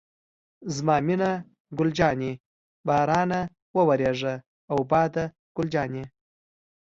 زما مینه ګل جانې، بارانه وورېږه او باده ګل جانې.